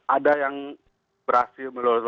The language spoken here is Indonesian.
ada yang berhasil meloloskan diri